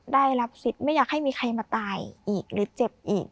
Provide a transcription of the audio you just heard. ได้รับสิทธิ์ไม่อยากให้มีใครมาตายอีกหรือเจ็บอีก